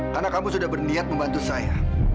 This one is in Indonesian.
karena kamu sudah berniat membantu saya